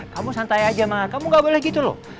kamu santai aja sama kamu gak boleh gitu loh